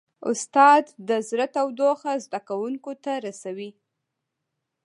استاد د زړه تودوخه زده کوونکو ته رسوي.